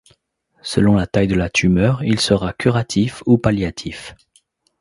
Selon la taille de la tumeur, il sera curatif ou palliatif.